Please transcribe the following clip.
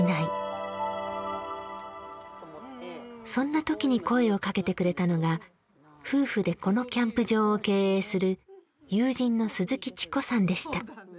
そんな時に声をかけてくれたのが夫婦でこのキャンプ場を経営する友人の鈴木智子さんでした。